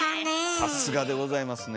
さすがでございますね。